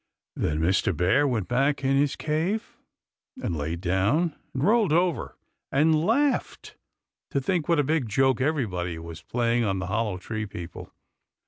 Then Mr. Bear went back in his cave, and laid down and rolled over and laughed to think what a big joke everybody was playing on the Hollow Tree people.